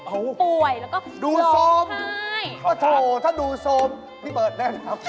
ป่วยแล้วก็โซมให้โอ้โธ่ถ้าดูโซมพี่เบิร์ดได้หรือครับ